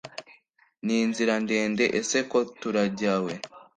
ninzira ndende ese ko turajyawe